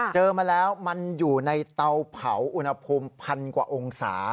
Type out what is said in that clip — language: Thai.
เจอมาแล้วมันอยู่ในเตาเผาอุณหภูมิพันกว่าองศา